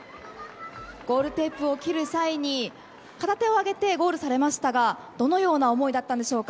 ゴールテープを切る際に片手を上げてゴールされましたがどのような思いだったんでしょうか。